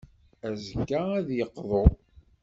Azekka, ad d-yeqḍu.